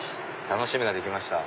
楽しみができました。